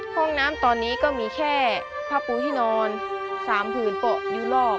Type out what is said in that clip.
ห้องน้ำตอนนี้ก็มีแค่ผ้าปูที่นอน๓ผืนเปาะอยู่รอบ